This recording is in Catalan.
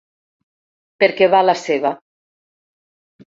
Perquè va a la seva.